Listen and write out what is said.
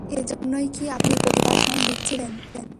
এজন্যই কি আপনি কোটিবার ফোন দিচ্ছিলেন?